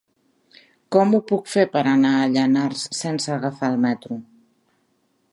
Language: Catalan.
Com ho puc fer per anar a Llanars sense agafar el metro?